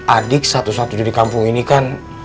adik satu satunya di kampung ini kan